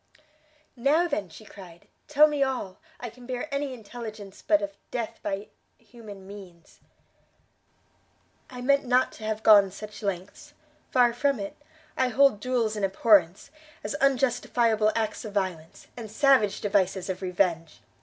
"Now, then," she cried, "tell me all: I can bear any intelligence but of death by human means." "I meant not to have gone such lengths; far from it; I hold duels in abhorrence, as unjustifiable acts of violence, and savage devices of revenge.